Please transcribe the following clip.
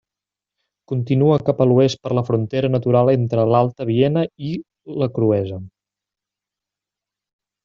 Continua cap a l'oest per la frontera natural entre l'Alta Viena i la Cruesa.